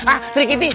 ah seri kitty